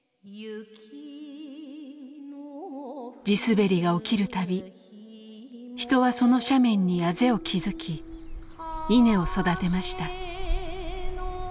地滑りが起きる度人はその斜面にあぜを築き稲を育てました。